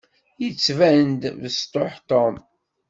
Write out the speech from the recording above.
Yettban-d besṭuḥ Tom.